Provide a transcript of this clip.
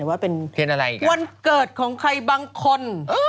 วันเกิดของใครบางคน